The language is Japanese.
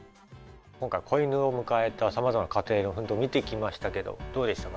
今回子犬を迎えたさまざまな家庭の奮闘見てきましたけどどうでしたか？